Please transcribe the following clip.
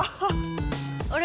あれ？